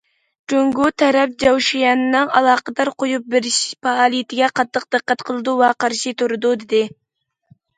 جۇڭگو تەرەپ چاۋشيەننىڭ ئالاقىدار قويۇپ بېرىش پائالىيىتىگە قاتتىق دىققەت قىلىدۇ ۋە قارشى تۇرىدۇ، دېدى.